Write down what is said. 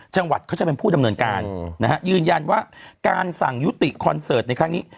จังหวัดเขาจะเป็นผู้ดำเนินการนะฮะยืนยันว่าการสั่งยุติคอนเสิร์ตในครั้งนี้